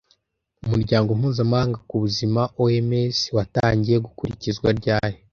Umuryango mpuzamahanga wita ku buzima (OMS) watangiye gukurikizwa ryari